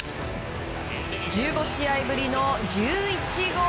１５試合ぶりの１１号。